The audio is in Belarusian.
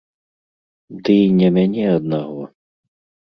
Ды і не мяне аднаго.